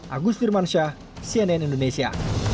agus dirmansyah cnn indonesia